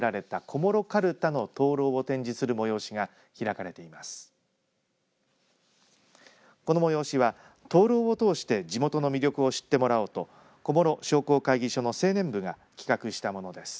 この催しは、灯籠を通して地元の魅力を知ってもらおうと小諸商工会議所の青年部が企画したものです。